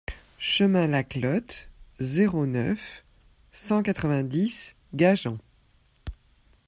Chemin Las Clotes, zéro neuf, cent quatre-vingt-dix Gajan